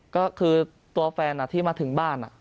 ก็คือตัวแฟนที่มาถึงบ้าน